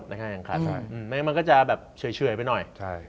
เพราะฉะนั้นมันก็จะแบบเฉยไปหน่อย